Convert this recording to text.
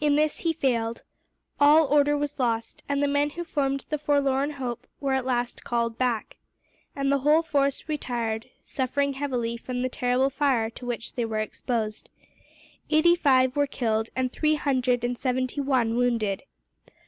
In this he failed. All order was lost, and the men who formed the forlorn hope were at last called back, and the whole force retired, suffering heavily from the terrible fire to which they were exposed. Eighty five were killed and three hundred and seventy one wounded.